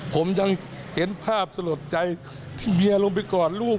ผมยังเห็นภาพสลดใจที่เมียลงไปกอดลูก